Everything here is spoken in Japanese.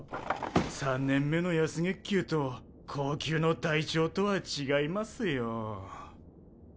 ３年目の安月給と高給の隊長とは違いますよ。